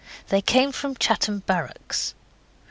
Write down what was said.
They came from Chatham Barracks.